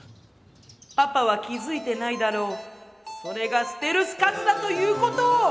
パパは気付いてないだろうな、それがステルスカツだということを。